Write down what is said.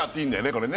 これね